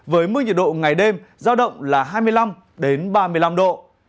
với mức nhiệt độ ngày đêm giao động là hai mươi năm ba mươi năm độ